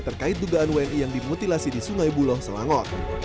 terkait dugaan wni yang dimutilasi di sungai buloh selangor